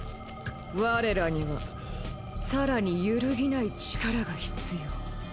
我らには更に揺るぎない力が必要。